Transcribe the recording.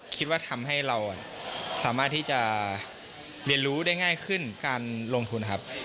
คิดว่าทำให้เราสามารถที่จะเรียนรู้ได้ง่ายขึ้นการลงทุนครับ